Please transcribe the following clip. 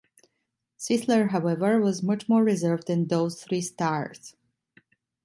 Sisler, however, was much more reserved than those three stars.